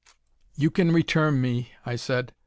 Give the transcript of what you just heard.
"You can return me," I said.